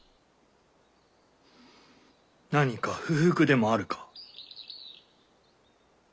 何か不服でもあるか？